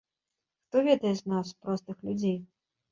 Хто ведае з нас, простых людзей.